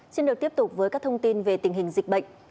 xin được tiếp tục với các thông tin về tình hình dịch bệnh